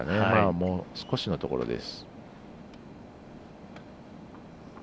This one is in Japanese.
もう少しのところです。